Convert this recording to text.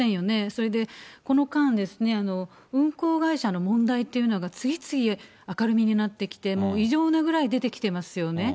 それで、この間、運航会社の問題というのが、次々明るみになってきて、異常なぐらい出てきてますよね。